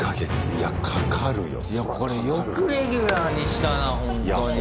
いやこれよくレギュラーにしたなほんとに。